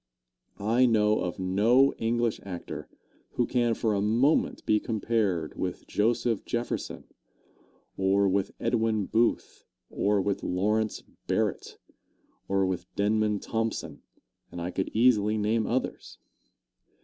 I know of no English actor who can for a moment be compared with Joseph Jefferson, or with Edwin Booth, or with Lawrence Barrett, or with Denman Thompson, and I could easily name others.